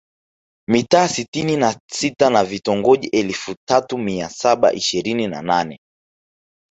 Mitaa sitini na sita na Vitongoji elfu tatu mia saba ishirini na nane